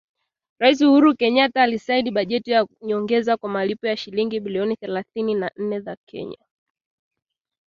Rais Uhuru Kenyatta alisaini bajeti ya nyongeza kwa malipo ya shilingi bilioni thelathini na nne za Kenya.